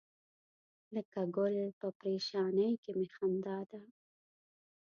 لکه ګل په پرېشانۍ کې می خندا ده.